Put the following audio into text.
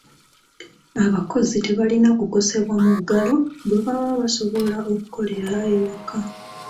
Abakozi tebalina kukosebwa muggalo bwe baba nga basobola okukolera ewaka.